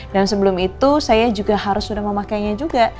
dan sebelum itu saya juga harus sudah memakainya juga